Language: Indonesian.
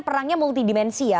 perangnya multidimensi ya